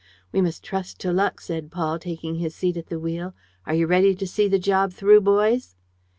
"We must trust to luck," said Paul, taking his seat at the wheel. "Are you ready to see the job through, boys?"